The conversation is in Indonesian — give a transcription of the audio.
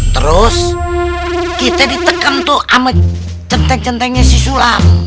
terus kita ditekan tuh sama centeng centengnya si sulam